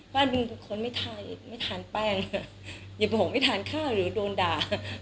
เพราะอันเป็นคนไม่ทานแป้งอย่าบอกไม่ทานข้าวหรือโดนด่า